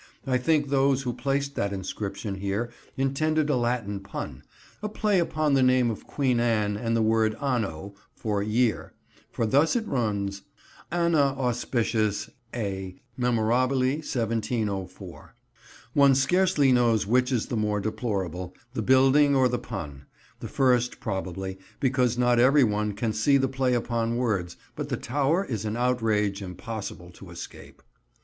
I think those who placed that inscription here intended a Latin pun, a play upon the name of Queen Anne and the word anno, for "year"; for thus it runs: "Annaeauspiciis A° memorabili 1704." One scarcely knows which is the more deplorable, the building or the pun; the first, probably, because not every one can see the play upon words, but the tower is an outrage impossible to escape.